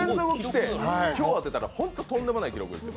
今日当てたらとんでもない記録です。